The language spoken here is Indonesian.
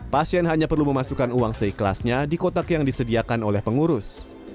pasien hanya perlu memasukkan uang seikhlasnya di kotak yang disediakan oleh pengurus